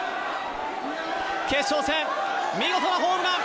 決勝戦、見事なホームラン！